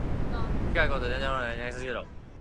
機械工と電電女の子いなさすぎだろ